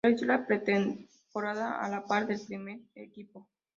Realizó la pretemporada a la par del primer equipo.